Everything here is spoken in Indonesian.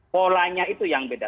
polanya itu yang beda